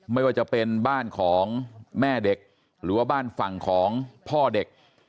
ไม่ว่าจะเป็นบ้านของแม่เด็กหรือว่าบ้านฝั่งของพ่อเด็ก